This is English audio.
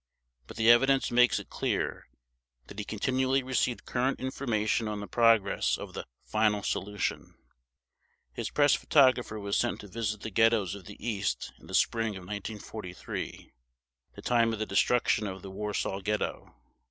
But the evidence makes it clear that he continually received current information on the progress of the "final solution". His press photographer was sent to visit the ghettos of the East in the spring of 1943, the time of the destruction of the Warsaw ghetto.